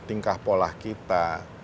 tingkah pola kita